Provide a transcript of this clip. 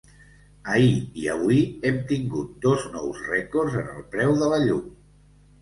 Ahir i avui hem tingut dos nous rècords en el preu de la llum.